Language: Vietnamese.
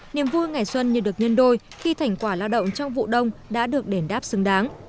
niềm vui ngày xuân như được nhân đôi khi thành quả lao động trong vụ đông đã được đền đáp xứng đáng